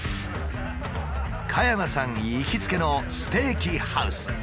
加山さん行きつけのステーキハウス。